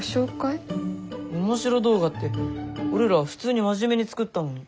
オモシロ動画って俺ら普通に真面目に作ったのに。